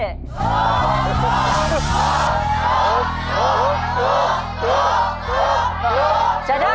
ถูกถูกถูก